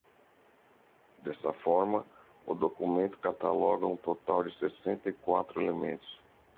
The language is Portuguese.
Dessa forma, o documento cataloga um total de sessenta e quatro elementos.